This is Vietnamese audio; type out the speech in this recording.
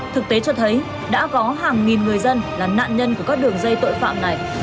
thực tế cho thấy đã có hàng nghìn người dân là nạn nhân của các đường dây tội phạm này